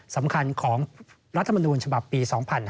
สำคัญของรัฐมนูญฉบับปี๒๕๕๙